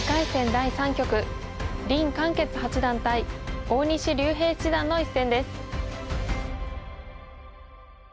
第３局林漢傑八段対大西竜平七段の一戦です。